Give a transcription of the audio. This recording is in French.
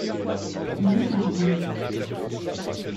J’y parvins.